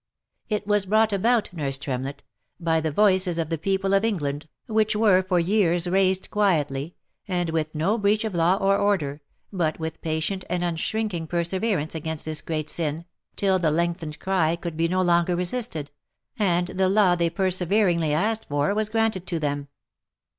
'*. It was brought about, nurse Tremlett, by the voices of the people of England, which were for years raised quietly, and with no breach of law or order, but with patient and unshrinking perseverance against this great sin, till the lengthened cry could be no longer resisted, and the law they perseverinlgy asked for, was granted to them.